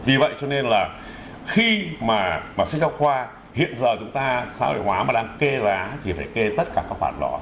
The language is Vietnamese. vì vậy cho nên là khi mà sách giáo khoa hiện giờ chúng ta sách giáo khoa mà đang kê giá thì phải kê tất cả các khoản đó